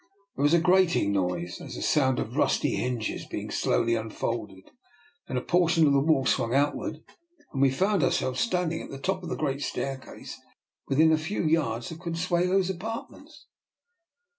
There was a grating noise, a sound as of rusty hinges being slowly unfolded, and then a portion of the wall swung outward and we found ourselves standing at the top of the great staircase within a few yards of Consuelo's apartments.